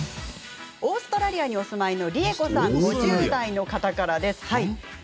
オーストラリアにお住まいのりえこさん５０代の方からです。